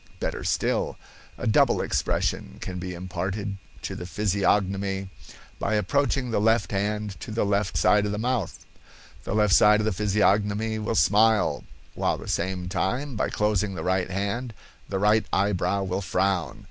Better still, a double expression can be imparted to the physiognomy, by approaching the left hand to the left side of the mouth, the left side of the physiognomy will smile, while at the same time, by closing the right hand, the right eyebrow will frown.